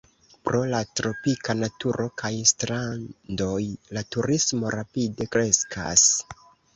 Pro la tropika naturo kaj strandoj la turismo rapide kreskas.